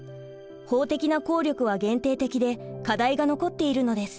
法的な効力は限定的で課題が残っているのです。